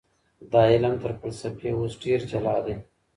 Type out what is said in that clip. دا علم تر فلسفې اوس ډېر جلا دی.